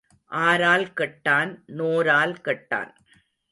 ஆரால் கெட்டான் நோரால் கெட்டான்.